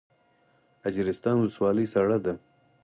اجرستان ولسوالۍ سړه ده؟